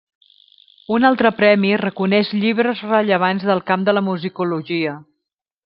Un altre premi reconeix llibres rellevants del camp de la musicologia.